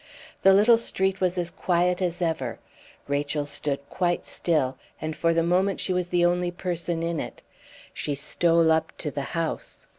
The little street was as quiet as ever; Rachel stood quite still, and for the moment she was the only person in it. She stole up to the house.